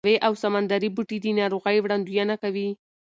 اوې او سمندري بوټي د ناروغۍ وړاندوینه کوي.